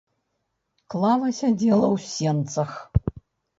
Клава сядзела ў сенцах.